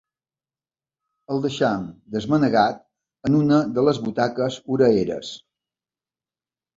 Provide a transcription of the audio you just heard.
El deixem desmanegat en una de les butaques orelleres.